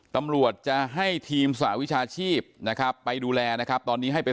ตำรวจจะให้ทีมสหวิชาชีพนะครับไปดูแลนะครับตอนนี้ให้ไป